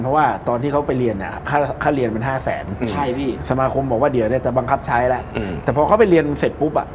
ใช่พี่สมาคมบอกว่าเดี๋ยวจะบังคับใช้แล้วแต่พอเขาไปเรียนเสร็จปุ๊บ